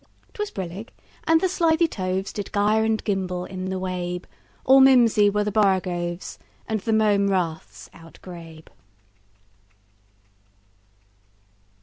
'T was brillig, and the slithy tovesDid gyre and gimble in the wabe; All mimsy were the borogoves, And the mome raths outgrabe.